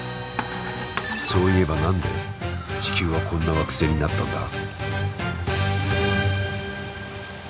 そういえば何で地球はこんな惑星になったんだ？